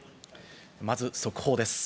まず速報です。